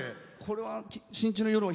これは。